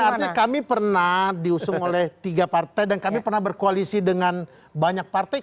artinya kami pernah diusung oleh tiga partai dan kami pernah berkoalisi dengan banyak partai